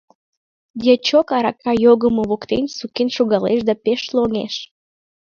Дьячок арака йогымо воктен сукен шогалеш да пеш лоҥеш.